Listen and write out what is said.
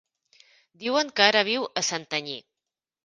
Diuen que ara viu a Santanyí.